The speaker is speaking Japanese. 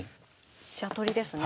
飛車取りですね。